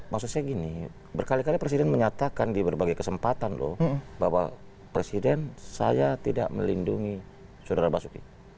maksud saya gini berkali kali presiden menyatakan di berbagai kesempatan loh bahwa presiden saya tidak melindungi saudara basuki